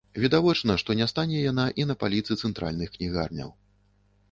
Відавочна, што не стане яна і на паліцы цэнтральных кнігарняў.